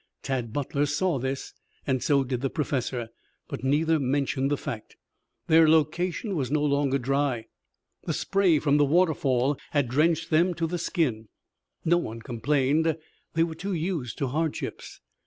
Tad Butler saw this and so did the Professor, but neither mentioned the fact. Their location was no longer dry. The spray from the waterfall had drenched them to the skin. No one complained. They were too used to hardships.